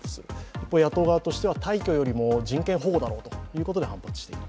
一方、野党側としては退去よりも人権保護だろうということで反発している。